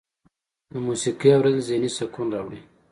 د موسیقۍ اوریدل ذهني سکون راوړي.